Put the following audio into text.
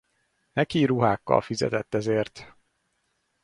Neki ruhákkal fizetett ezért.